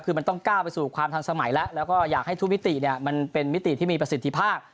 คือมันต้องก้าวไปสู่ความทันสมัยแล้วแล้วก็อยากให้ทุกมิติเนี่ยมันเป็นมิติที่มีประสิทธิภาพ